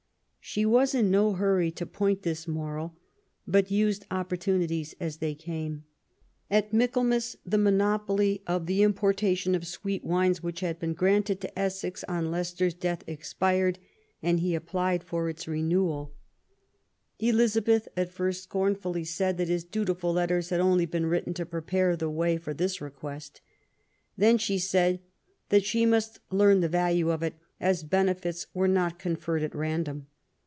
She was in no hurry to point this moral,, but used opportunities as they came. At Michael mas the monopoly of the importation of sweet wines which had been granted to Essex on Lei cester's death expired and he applied for its renewal. 19 290 Q UEEN ELIZA BE TH, Elizabeth at first scornfully said that his dutiful letters had only been written to prepare the way for this request. Then she said that "she must learn the value of it, as benefits were not conferred at random